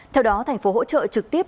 theo đó thành phố hỗ trợ trực tiếp